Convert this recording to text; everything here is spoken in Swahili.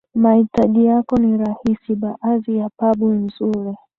mahitaji yako ni rahisi baadhi ya pub nzuri